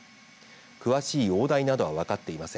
詳しい容体などは分かっていません。